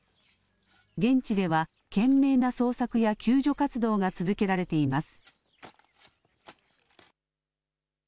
現地では懸命な捜索や救助活動が続けられています。